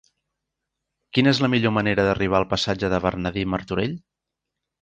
Quina és la millor manera d'arribar al passatge de Bernardí Martorell?